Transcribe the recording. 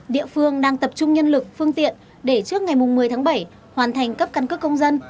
địa phương đang tập trung nhân lực phương tiện để trước ngày một mươi tháng bảy hoàn thành cấp căn cước công dân